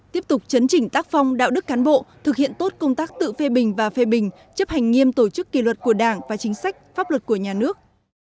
tiếp tục chấn chỉnh tác phong đạo đức cán bộ thực hiện tốt công tác tự phê bình và phê bình chấp hành nghiêm tổ chức kỳ luật của đảng và chính sách pháp luật của nhà nước